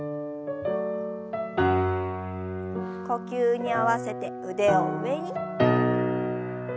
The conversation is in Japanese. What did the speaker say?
呼吸に合わせて腕を上に。